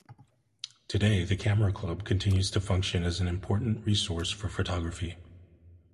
Today, the Camera Club continues to function as an important resource for photography.